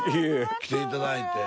来ていただいて。